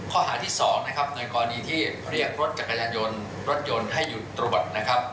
ข้อหาที่๒หน่วยกรณีที่เรียกรถจักรยานโยนให้หยุดตรบด